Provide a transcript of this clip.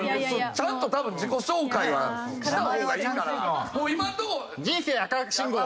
ちゃんと多分自己紹介はした方がいいから。